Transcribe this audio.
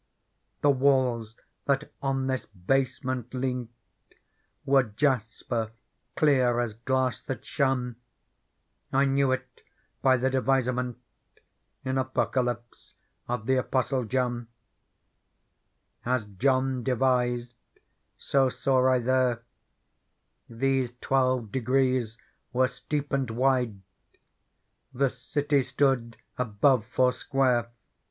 The walls, that on this basement leant. Were jasper clear as glass that shone : I knew it by the devis6ment In Apocalypse of the Apostle John. Digitized by Google 44 PEARL As John devise d^ so saw I th ere ; These twelve degrees were steep and wide ; The city stood above foursquare.